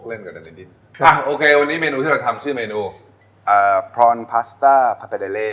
ในเมืองไทยเนี่ยแหละครับแต่ก่อนครั้งนี้ก็คือทำงานอยู่ต่อประเทศเลย